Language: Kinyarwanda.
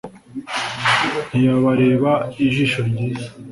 ntiyabareba ijisho ryiza.